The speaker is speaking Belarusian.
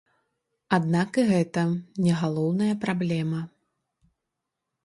Аднак і гэта не галоўная праблема.